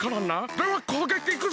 ではこうげきいくぞ！